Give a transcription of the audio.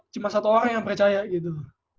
cuma satu orang yang percaya gitu